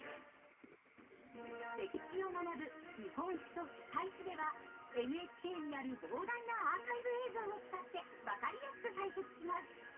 歴史を学ぶ「日本史」と「世界史」ではＮＨＫにある膨大なアーカイブ映像を使って分かりやすく解説します。